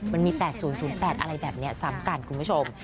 มันมี๘๐๐๘อะไรแบบนี้ซ้ำกันคุณผู้ชม